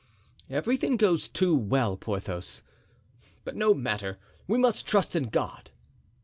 "Everything goes too well, Porthos. But no matter; we must trust in God."